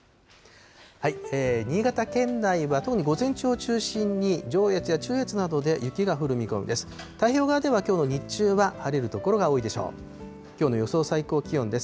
新潟県内は、特に午前中を中心に、上越や中越などで雪が降る見込みです。